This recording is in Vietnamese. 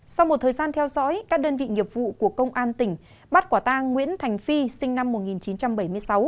sau một thời gian theo dõi các đơn vị nghiệp vụ của công an tỉnh bắt quả tang nguyễn thành phi sinh năm một nghìn chín trăm bảy mươi sáu